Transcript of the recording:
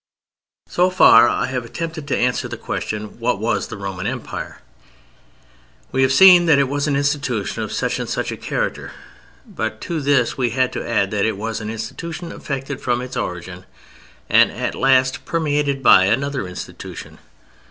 So far I have attempted to answer the question, "What Was the Roman Empire?" We have seen that it was an institution of such and such a character, but to this we had to add that it was an institution affected from its origin, and at last permeated by, another institution.